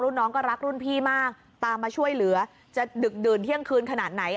น้องก็รักรุ่นพี่มากตามมาช่วยเหลือจะดึกดื่นเที่ยงคืนขนาดไหน